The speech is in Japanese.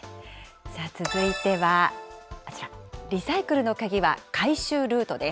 続いてはあちら、リサイクルのカギは回収ルートです。